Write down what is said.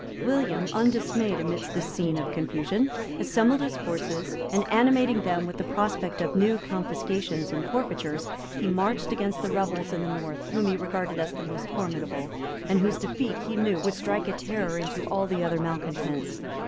William, undismayed amidst this scene of confusion, assembled. his forces, and animating them with the prospect of new confiscations and forfeitures, he marched against the rebels in the north, whom he regarded as the most formidable, and whose defeat, he knew, would strike a terror into all the other malecontents.